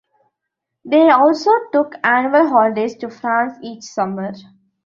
They also took annual holidays to France each summer.